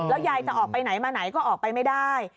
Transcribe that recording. ยายจะออกไปไหนมาไหนก็ออกไปไม่ได้